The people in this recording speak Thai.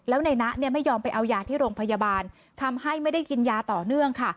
แล้วในนะไม่ยอมไปเอายาที่โรงพยาบาลทำให้ไม่ได้กินยาต่อเนื่องค่ะ